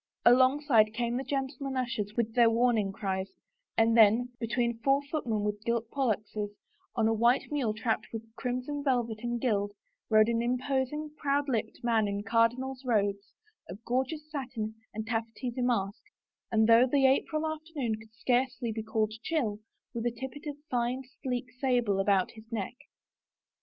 Alongside came the gentlemen ushers with their warning cries and then, between four footmen with gilt pollaxes, on a white mule trapped with crimson velvet and gilt, rode an imposing, proud lipped man in cardinal's robes of gorgeous satin and taffety damask, and though the April afternoon could scarcely be called chill, with a tippet of fine, sleek sable about his neck.